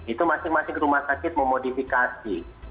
itu masing masing rumah sakit memodifikasi